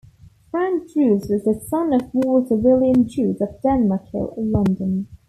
Frank Druce was the son of Walter William Druce of Denmark Hill, London.